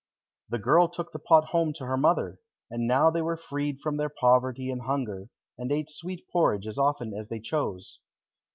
The girl took the pot home to her mother, and now they were freed from their poverty and hunger, and ate sweet porridge as often as they chose.